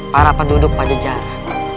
para penduduk pajajara